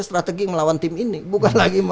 strategi melawan tim ini bukan lagi